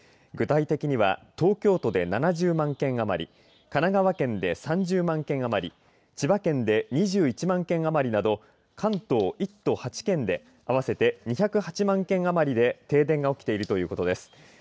具体的には東京都で７０万件余り神奈川県で３０万件余り千葉県で２１万件余りなど関東１都８県で合わせて２０８万件余りで停電が起きているということです。